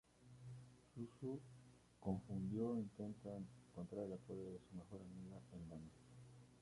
Suso, confundido, intenta encontrar el apoyo de su mejor amiga, en vano.